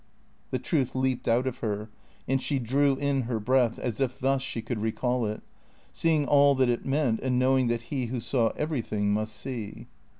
The truth leaped out of her, and she drew in her breath, as if thus she could recall it ; seeing all that it meant, and knowing that he who saw everything must see.